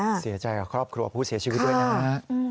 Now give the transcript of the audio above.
เหตุการณ์นี้เสียใจกับครอบครัวผู้เสียชีวิตด้วยนะ